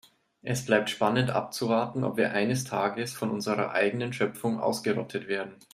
Es bleibt spannend abzuwarten, ob wir eines Tages von unserer eigenen Schöpfung ausgerottet werden.